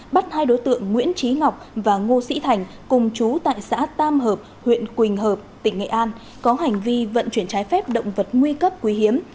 bắt hai đối tượng nguyễn trí ngọc và ngô sĩ thành cùng chú tại xã tam hợp huyện quỳnh hợp tỉnh nghệ an có hành vi vận chuyển trái phép động vật nguy cấp quý hiếm